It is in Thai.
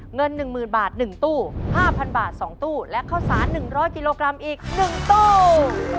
เงิน๑๐๐๐บาท๑ตู้๕๐๐บาท๒ตู้และข้าวสาร๑๐๐กิโลกรัมอีก๑ตู้